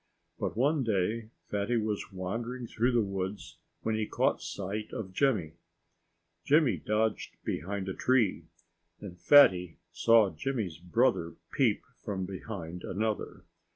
But one day Fatty was wandering through the woods when he caught sight of Jimmy. Jimmy dodged behind a tree. And Fatty saw Jimmy's brother peep from behind another.